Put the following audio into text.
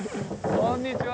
こんにちは。